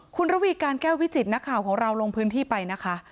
คุณระวีการแก้ววิจิตนักข่าวของเราลงพื้นที่ไปนะคะ